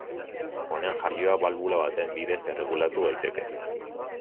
Honen jarioa balbula baten bidez erregulatu daiteke.